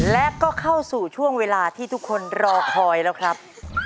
และก็เข้าสู่ช่วงเวลาที่ทุกคนรอคอยแล้วครับ